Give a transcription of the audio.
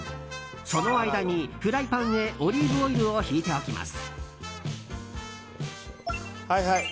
その間にフライパンへオリーブオイルを引いておきます。